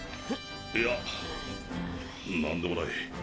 いや何でもない。